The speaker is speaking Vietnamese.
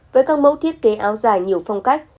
với các mẫu thiết kế áo dài nhiều phong cách